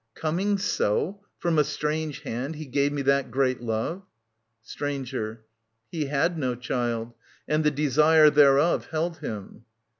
Coming so. From a strange hand, he gave me that great love ? Stranger. He had no child, and the desire thereof Held him.